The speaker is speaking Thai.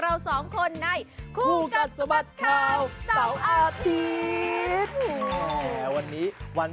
รอดูแล้วกัน